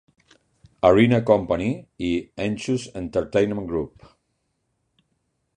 Arena Company i Anschutz Entertainment Group.